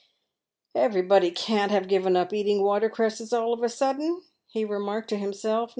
" Everybody can't have given up eating water creases all of a sudden," he remarked to himself.